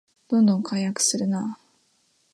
どんどん改悪するなあ